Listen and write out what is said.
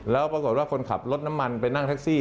แล้วปรากฏว่าคนขับรถน้ำมันไปนั่งแท็กซี่